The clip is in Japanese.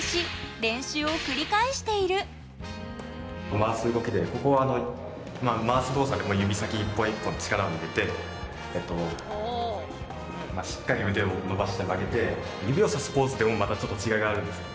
回す動きで、回す動作で指先１本、１本、力を入れてしっかり腕を伸ばして曲げて指をさすポーズでもまたちょっと違いがあるんです。